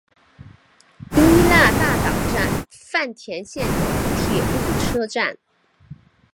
伊那大岛站饭田线的铁路车站。